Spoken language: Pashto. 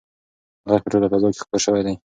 غږ په ټوله فضا کې خپور شوی دی.